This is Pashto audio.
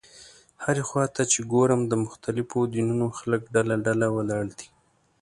هرې خوا ته چې ګورم د مختلفو دینونو خلک ډله ډله ولاړ دي.